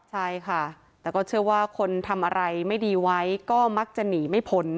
ใช่ค่ะแต่ก็เชื่อว่าคนทำอะไรไม่ดีไว้ก็มักจะหนีไม่พ้น